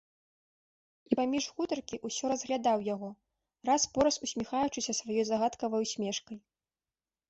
І паміж гутаркі ўсё разглядаў яго, раз-пораз усміхаючыся сваёй загадкавай усмешкай.